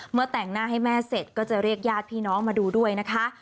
แต่งหน้าให้แม่เสร็จก็จะเรียกญาติพี่น้องมาดูด้วยนะคะ